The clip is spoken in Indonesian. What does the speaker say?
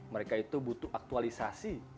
mereka itu butuh aktualisasi